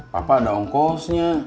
papa ada ongkosnya